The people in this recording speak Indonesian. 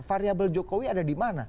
variabel jokowi ada di mana